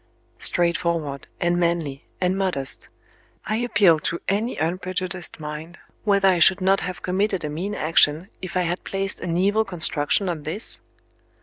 Straightforward and manly and modest I appeal to any unprejudiced mind whether I should not have committed a mean action, if I had placed an evil construction on this?